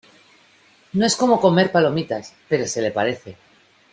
no es como comer palomitas, pero se le parece.